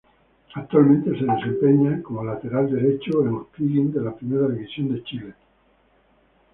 Actualmente se desempeña como lateral derecho en O'Higgins de la Primera División de Chile.